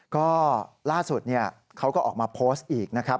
ก็ล่าสุดเขาก็ออกมาโพสต์อีกนะครับ